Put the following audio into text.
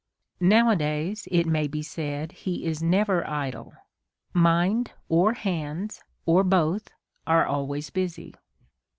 Nowadays, it may be said, he is never idle : mind, or hands, or both, are always busy.